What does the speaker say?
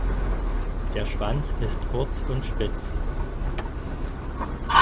Der Schwanz ist kurz und spitz.